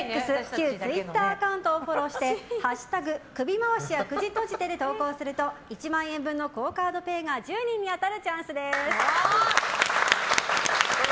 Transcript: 旧ツイッターアカウントをフォローして「＃首回しは口閉じて」で投稿すると１万円分のＱＵＯカードＰａｙが１０人に当たるチャンスです。